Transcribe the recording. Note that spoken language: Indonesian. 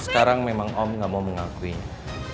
sekarang memang om nggak mau mengakuinya